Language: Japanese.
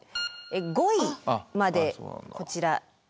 ５位までこちらで。